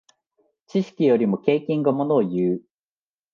知識よりも経験がものをいう。